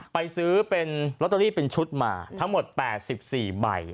ไปซื้อเป็นลอตเตอรี่เป็นชุดมาทั้งหมด๘๔ใบ